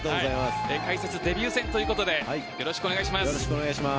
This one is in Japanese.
解説デビュー戦ということでよろしくお願いします。